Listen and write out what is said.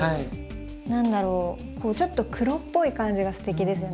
何だろうちょっと黒っぽい感じがステキですね。